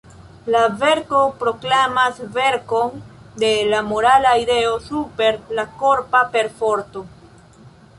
La verko proklamas venkon de la morala ideo super la korpa perforto.